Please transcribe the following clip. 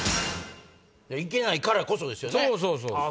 行けないからこそですよね。